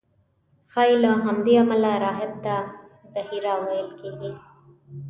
ښایي له همدې امله راهب ته بحیرا ویل کېږي.